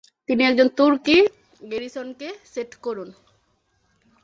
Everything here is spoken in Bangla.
তিনি একজন তুর্কী গ্যারিসনকে সেট করুন।